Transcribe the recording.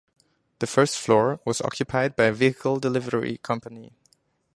The first floor was occupied by a vehicle delivery company.